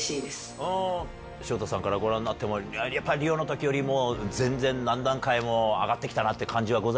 潮田さんからご覧になってもやっぱりリオの時よりも全然何段階も上がって来たなって感じはございますか？